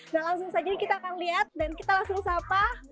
nah langsung saja kita akan lihat dan kita langsung sapa